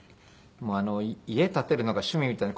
もう家建てるのが趣味みたいな。